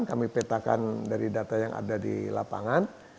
kami petakan dari data yang ada di lapangan